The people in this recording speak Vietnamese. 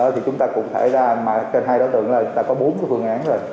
thì chúng ta cũng thể ra trên hai đối tượng là chúng ta có bốn phương án rồi